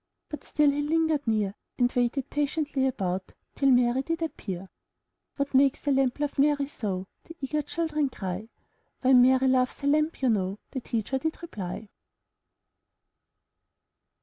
But still he lingered near. And waited patiently about Till Mary did appear. 'What makes the lamb love Mary so?" The eager children cry. ''Why, Mary loves the lamb, you know,'* The teacher did reply.